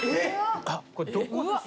これどこですか？